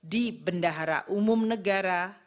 di bendahara umum negara